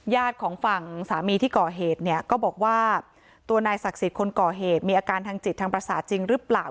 ของฝั่งสามีที่ก่อเหตุเนี่ยก็บอกว่าตัวนายศักดิ์สิทธิ์คนก่อเหตุมีอาการทางจิตทางประสาทจริงหรือเปล่า